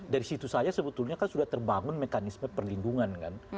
dari situ saja sebetulnya kan sudah terbangun mekanisme perlindungan kan